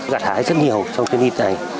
gạt hái rất nhiều trong chuyến đi này